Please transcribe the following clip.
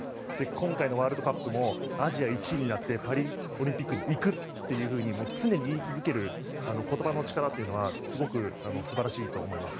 今回のワールドカップもアジア１位になってパリオリンピックに行くというふうに常に言い続ける言葉の力というのはすごく素晴らしいと思います。